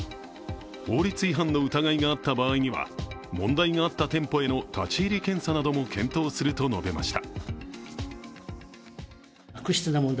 法律違反の疑いがあった場合には問題があった店舗への立ち入り検査なども検討すると述べました。